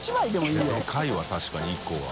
いやでかいわ確かに１個が。